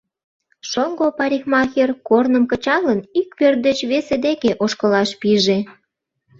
Шоҥго парикмахер, корным кычалын, ик пӧрт деч весе деке ошкылаш пиже.